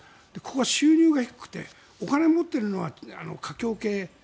ここは収入が低くてお金を持っているのは華僑系。